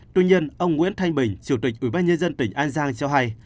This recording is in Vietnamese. tuy nhiên ông nguyễn thanh bình chủ tịch ủy ban nhân dân tỉnh an giang cho hay